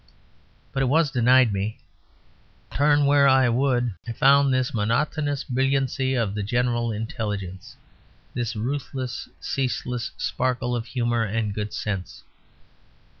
But it was denied me. Turn where I would I found this monotonous brilliancy of the general intelligence, this ruthless, ceaseless sparkle of humour and good sense.